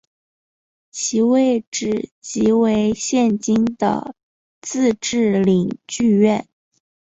其位置即为现今的自治领剧院。